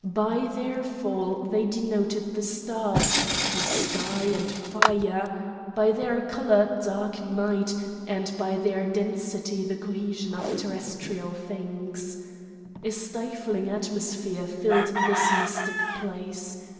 By their fall they denoted the stars, the sky, and fire; by their colour dark night, and by their density the cohesion of terrestrial things. A stifling atmosphere filled this mystic place.